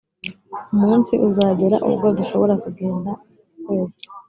umunsi uzagera ubwo dushobora kugenda ukwezi.